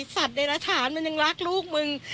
สัตว์ใดละถานมันยังรักลูกมึง